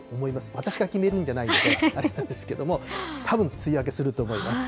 私が決めるんじゃないのであれなんですけれども、たぶん梅雨明けすると思います。